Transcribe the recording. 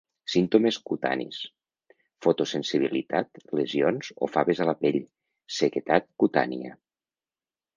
Símptomes cutanis: fotosensibilitat, lesions o faves a la pell, sequedat cutània.